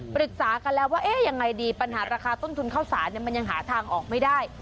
ปรึกษากันแล้วว่าเอ๊ะยังไงดีปัญหาราคาต้นทุนข้าวสารมันยังหาทางออกไม่ได้